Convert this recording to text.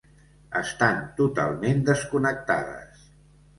Estan totalment desconnectades.